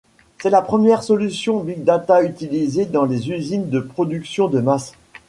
C'est la première solution bigdata utilisée dans les usines de production de masse.